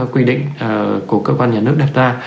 quy định của cơ quan nhà nước đặt ra